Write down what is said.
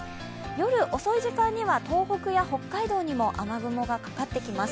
夜遅い時間には東北や北海道にも雨雲がかかってきます。